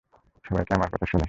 সবাই আমার কথা শুনে।